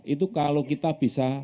itu kalau kita bisa